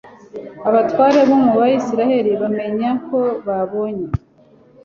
abatware bo mu bisirayeli bamenya ko babonye